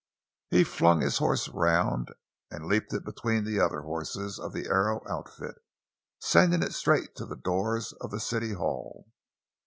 He flung his horse around and leaped it between the other horses of the Arrow outfit, sending it straight to the doors of the city hall.